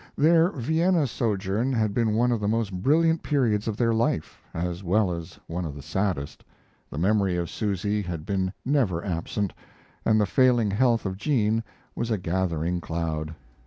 Their Vienna sojourn had been one of the most brilliant periods of their life, as well as one of the saddest. The memory of Susy had been never absent, and the failing health of Jean was a gathering cloud.